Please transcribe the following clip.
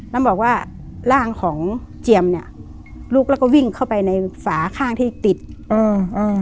แล้วบอกว่าร่างของเจียมเนี้ยลุกแล้วก็วิ่งเข้าไปในฝาข้างที่ติดอืม